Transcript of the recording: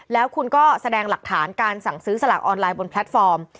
แล้วคุณก็แสดงหลักฐานการสั่งซื้อสลากออนไลน์บนแพลตฟอร์ม